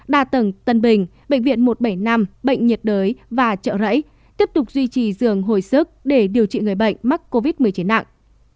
đa tầng tân bình bệnh viện một trăm bảy mươi năm bệnh nhiệt đới và trợ rẫy tiếp tục duy trì giường hồi sức để điều trị người bệnh mắc covid một mươi chín nặng